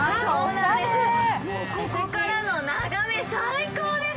ここから眺め、最高です。